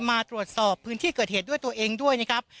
มาตรวจสอบพื้นที่เกิดเหตุด้วยตัวเองด้วยนะครับ